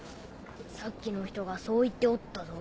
さっきの人がそう言っておったぞ。